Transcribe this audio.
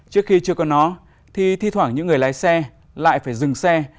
trước khi chưa có nó thì thi thoảng những người lái xe lại phải dừng xe